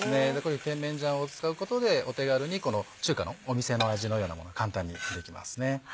甜麺醤を使うことでお手軽に中華のお店の味のようなものが簡単にできますね。